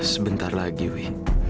sebentar lagi wi